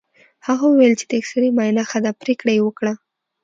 هغه وویل چې د اېکسرې معاینه ښه ده، پرېکړه یې وکړه.